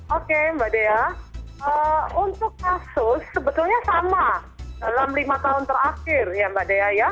oke mbak dea untuk kasus sebetulnya sama dalam lima tahun terakhir ya mbak dea ya